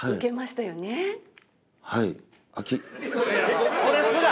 それすら？